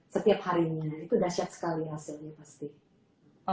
setiap harinya itu dasyat sekali hasilnya pasti